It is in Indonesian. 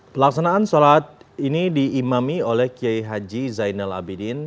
pelaksanaan sholat ini diimami oleh kiai haji zainal abidin